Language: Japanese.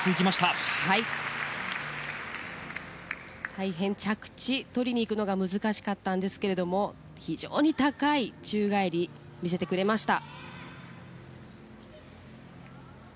大変着地を取りにいくのが難しかったんですが非常に高い宙返りを見せてくれました。